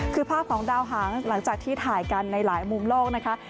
คือภาพของดาวหางหลังจากที่ถ่ายกันในหลายมุมโลกนะคะ